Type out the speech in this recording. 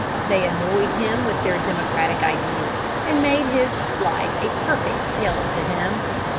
They annoyed him with their democratic ideas and made his life a perfect hell to him.